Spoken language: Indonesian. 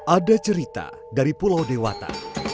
ada cerita dari pulau dewata